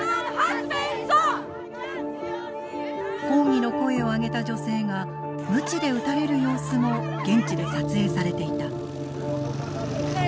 抗議の声を上げた女性がムチで打たれる様子も現地で撮影されていた。